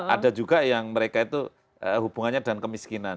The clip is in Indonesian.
ada juga yang mereka itu hubungannya dengan kemiskinan